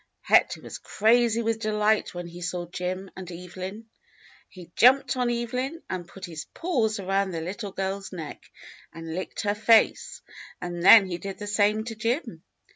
Hector was crazy w^ith delight when he saw Jim and Evelyn. He jumped on Evelyn and put his paws around the little girl's neck and Kcked her face; and then he did the same to Jim.